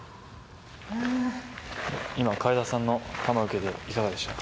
今海田さんの球受けていかがでしょうか？